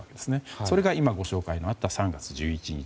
それが今ご紹介のあった３月１１日